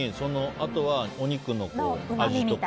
あとはお肉の味とか。